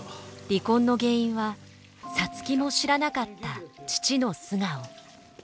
離婚の原因は皐月も知らなかった父の素顔。